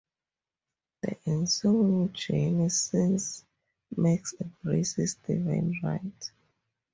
The ensuing journey sees Max embrace his Divine Right.